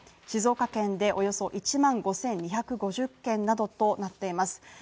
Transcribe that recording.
静岡県でおよそ１万５２５０軒などとなっています。